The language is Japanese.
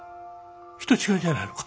人違いじゃないのか？